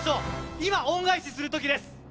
今、恩返しする時です。